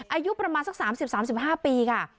อายุประมาณสัก๓๐๓๕ปีค่ะ